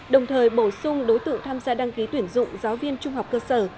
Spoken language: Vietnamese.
đồng thời bổ sung đối tượng tham gia đăng ký tuyển dụng giáo viên trung học cơ sở